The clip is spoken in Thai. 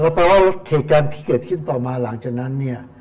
แปลว่าเหตุการณ์ที่เกิดขึ้นต่อมาหลังจากนั้นเนี่ย